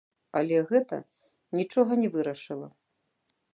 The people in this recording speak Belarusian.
Але гэта нічога не вырашыла.